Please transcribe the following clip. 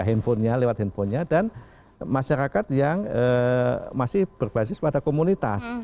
handphonenya lewat handphonenya dan masyarakat yang masih berbasis pada komunitas